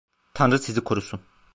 Tanrı sizi korusun.